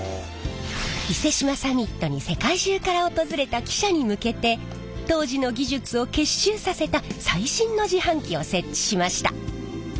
伊勢志摩サミットに世界中から訪れた記者に向けて当時の技術を結集させた最新の自販機を設置しました。